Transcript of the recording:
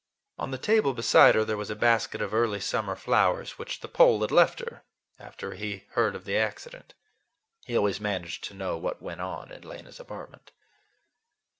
On the table beside her there was a basket of early summer flowers which the Pole had left after he heard of the accident. He always managed to know what went on in Lena's apartment.